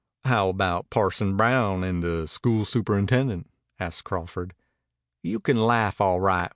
"How about Parson Brown and the school superintendent?" asked Crawford. "You can laugh. All right.